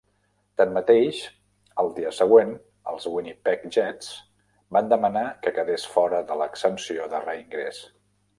Tanmateix, al dia següent els Winnipeg Jets van demanar que quedés fora de l'exempció de reingrés.